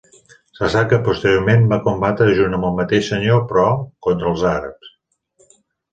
Se sap que posteriorment va combatre junt amb el mateix senyor però, contra els àrabs.